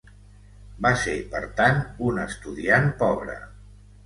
Va ser, per tant, un estudiant pobre.